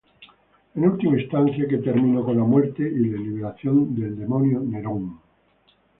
En última instancia, que terminó con la muerte y la liberación del demonio Neron.